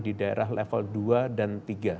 di daerah level dua dan tiga